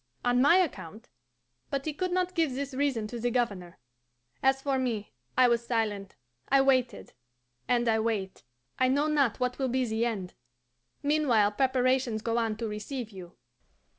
On my account? But he could not give this reason to the Governor. As for me, I was silent, I waited and I wait; I know not what will be the end. Meanwhile preparations go on to receive you."